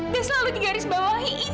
selalu di garis bawahi